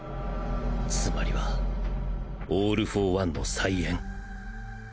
つまりはオール・フォー・ワンの再演